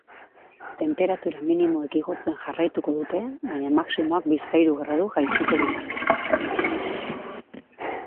Tenperatura minimoek igotzen jarraituko dute, baina maximoak bizpahiru gradu jaitsiko dira.